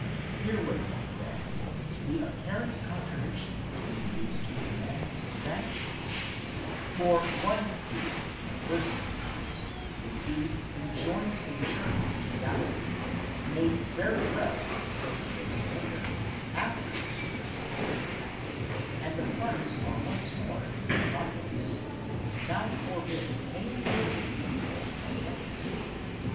Herewith, then, the apparent contradiction between these two commands vanishes: for one who in the first instance in deed enjoins a journey into Galilee, may very well forty days later, after this journey has been made, and the parties are once more in the metropolis, now forbid any further removal from thence.?